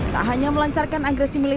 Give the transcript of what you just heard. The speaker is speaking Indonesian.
tak hanya melancarkan agresi militer masif